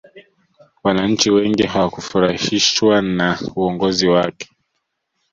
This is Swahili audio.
wananchi wengi hakufurahishwi na uongozi wake